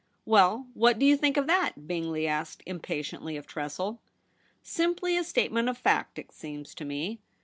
* Well, what do you think of that ?' Bingley asked impatiently of Tressel. ' Simply a statement of fact, it seems to me.'